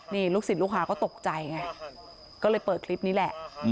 นี่ลูกศิษย์ลูกค้าก็ตกใจไงก็เลยเปิดคลิปนี้แหละ